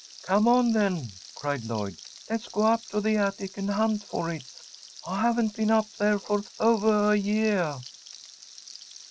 "Come on, then," cried Lloyd. "Let's go up to the attic and hunt for it. I haven't been up there for ovah a yeah."